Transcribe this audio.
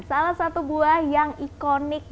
salah satu buah yang ikonik